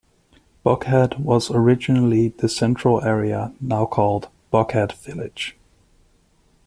Buckhead was originally the central area now called "Buckhead Village".